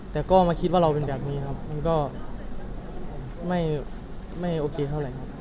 แต่ก็มาคิดว่าเราเป็นแบบนี้ครับมันก็ไม่โอเคเท่าไหร่ครับ